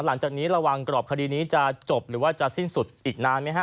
ระหว่างกรอบคดีนี้จะจบหรือว่าจะสิ้นสุดอีกนานไหมฮะ